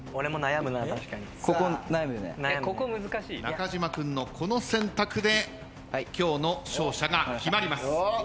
中島君のこの選択で今日の勝者が決まります。